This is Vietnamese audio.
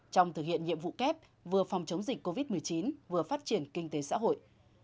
trong thực hiện nhiệm vụ kép vừa phòng chống dịch covid một mươi chín vừa phát triển kinh tế xã hội